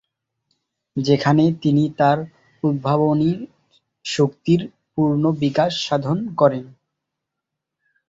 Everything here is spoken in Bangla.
যেখানে তিনি তার উদ্ভাবনী শক্তির পূর্ন বিকাশ সাধন করেন।